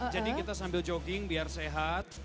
jadi kita sambil jogging biar sehat